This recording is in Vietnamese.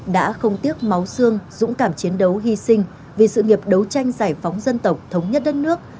đã không tiếc máu xương dũng cảm chiến đấu hy sinh vì sự nghiệp đấu tranh giải phóng dân tộc thống nhất đất nước